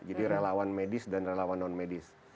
jadi relawan medis dan relawan non medis